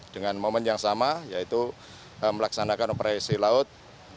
dengan momen yang sama yaitu melaksanakan operasi laut